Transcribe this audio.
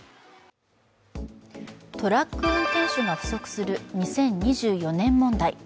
トラック運転手が不足する２０２４年問題。